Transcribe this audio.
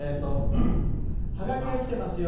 ハガキがきてますよ。